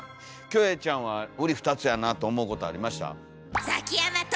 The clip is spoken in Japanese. キョエちゃんはうり二つやなと思うことありました？